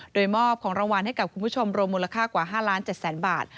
โดยมอบของรางวัลให้กับคุณผู้ชมรวมมูลค่ากว่า๕๗๐๐๐บาท